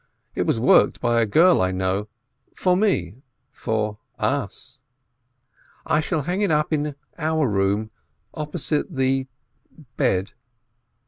It was worked by a girl I know — for me, for us. I shall hang it up in our room, opposite the bed."